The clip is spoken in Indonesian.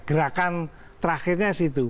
gerakan terakhirnya situ